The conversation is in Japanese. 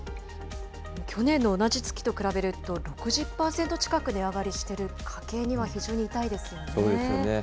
去年の同じ月と比べると６０％近く値上がりしてる、家計にはそうですよね。